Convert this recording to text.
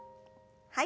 はい。